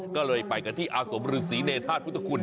ก็เลยไปกันที่อาสมฤษีเนธาตุพุทธคุณ